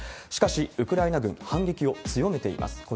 しかしウクライナ軍、反撃を強めています。